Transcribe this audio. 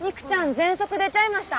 ぜんそく出ちゃいました。